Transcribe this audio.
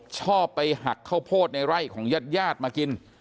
ชอบไปหักข้าวโพดในไร่ของญาติญาติมากิน